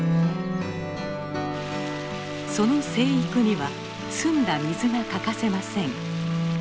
その生育には澄んだ水が欠かせません。